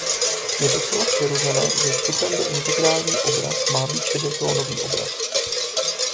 Je docela přirozené, že vstupem pro integrální obraz má být šedotónový obraz.